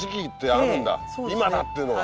今だ！っていうのが。